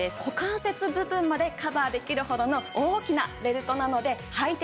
股関節部分までカバーできるほどの大きなベルトなのでは